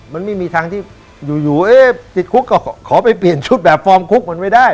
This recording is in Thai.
มันไม่มีทางที่อยู่เอ๊ะติดคุกก็ขอไปเปลี่ยนชุดแบบฟอร์มคุกมันไม่ได้